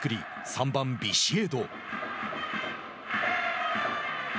３番ビシエド。